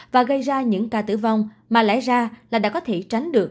và gây ra những ca tử vong mà lẽ ra là đã có thể tránh được